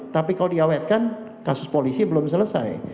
tapi kalau diawetkan kasus polisi belum selesai